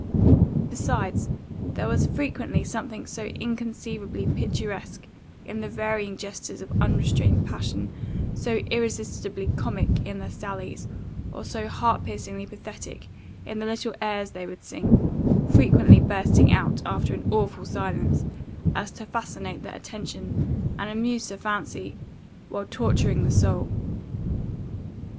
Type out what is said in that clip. Besides, there was frequently something so inconceivably picturesque in the varying gestures of unrestrained passion, so irresistibly comic in their sallies, or so heart piercingly pathetic in the little airs they would sing, frequently bursting out after an awful silence, as to fascinate the attention, and amuse the fancy, while torturing the soul.